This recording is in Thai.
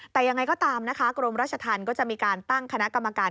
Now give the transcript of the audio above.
แต่ยังไงก็ตามนะคะกรมราชธรรมก็จะมีการตั้งคณะกรรมการ